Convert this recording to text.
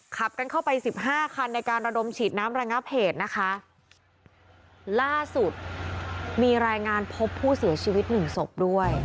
ขับกันเข้าไปสิบห้าคันในการระดมฉีดน้ำระงับเหตุนะคะล่าสุดมีรายงานพบผู้เสียชีวิตหนึ่งศพด้วย